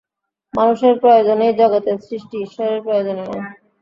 মানুষের প্রয়োজনেই জগতের সৃষ্টি, ঈশ্বরের প্রয়োজনে নয়।